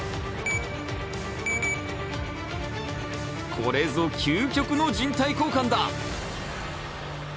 これぞ究極の人体交換だ！